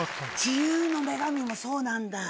自由の女神もそうなんだ。